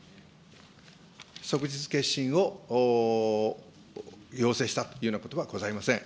即日結審を要請したというようなことはございません。